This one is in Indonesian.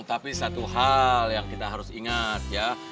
tapi satu hal yang kita harus ingat ya